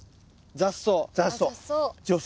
雑草。